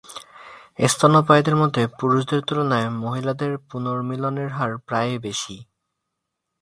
স্তন্যপায়ীদের মধ্যে, পুরুষদের তুলনায় মহিলাদের পুনর্মিলনের হার প্রায়ই বেশি।